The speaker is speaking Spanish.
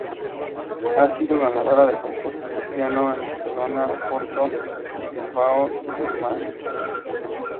Ha sido ganadora de concursos de piano en Barcelona, Oporto, Bilbao y Mannheim.